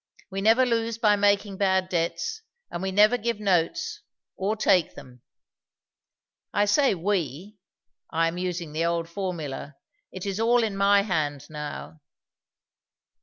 We never lose by making bad debts; and we never give notes, or take them. I say 'we' I am using the old formula it is all in my hand now."